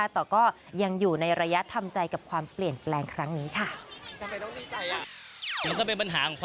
แต่ก็ยังอยู่ในระยะทำใจกับความเปลี่ยนแปลงครั้งนี้ค่ะ